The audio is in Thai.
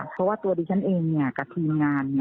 เพราะว่าตัวดิฉันเองกับทีมงาน